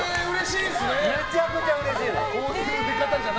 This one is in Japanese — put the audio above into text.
めちゃくちゃうれしいの。